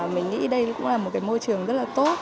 mình nghĩ đây cũng là một cái môi trường rất là tốt